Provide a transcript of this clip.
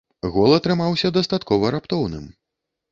Гол атрымаўся дастаткова раптоўным.